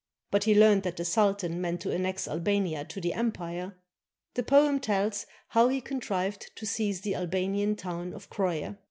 But he learned that the sultan meant to annex Albania to the empire. The poem tells how he con trived to seize the Albanian town of Croia.